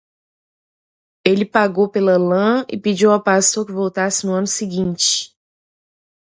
Ele pagou pela lã e pediu ao pastor que voltasse no ano seguinte.